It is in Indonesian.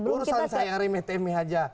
urusan saya yang remeh temeh aja